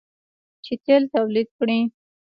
چې تیل تولید کړي.